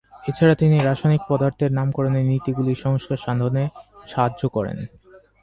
এছাড়া তিনি রাসায়নিক পদার্থের নামকরণের নীতিগুলির সংস্কার সাধনে সাহায্য করেন।